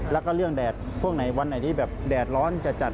แล้วก็เรื่องแดดพวกไหนวันไหนที่แบบแดดร้อนจะจัด